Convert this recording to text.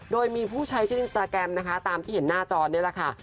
โดยมีผู้ใช้ชื่ออินสตาแกรมนะคะตามที่เห็นหน้าจอนี่แหละค่ะ